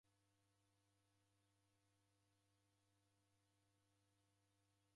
Kala, w'edokaiya Kilifi